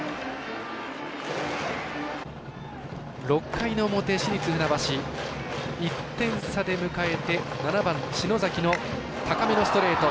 ６回の表、市立船橋１点差で迎えて７番、篠崎の高めのストレート。